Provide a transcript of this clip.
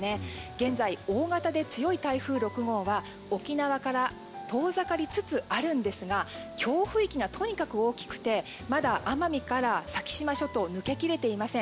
現在、大型で強い台風６号は沖縄から遠ざかりつつあるんですが強風域がとにかく大きくてまだ奄美から先島諸島抜けきれていません。